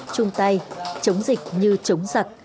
trung tay chống dịch như chống giặc